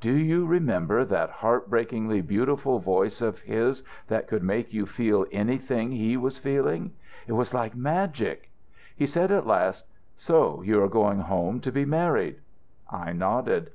"Do you remember that heart breakingly beautiful voice of his that could make you feel anything he was feeling? It was like magic. He said at last: "'So you are going home to be married?' "I nodded.